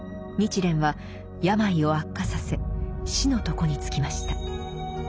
日蓮は病を悪化させ死の床につきました。